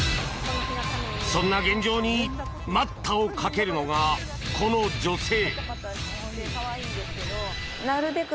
そんな現状に待ったをかけるのがこの女性。